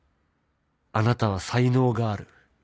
「あなたは才能がある。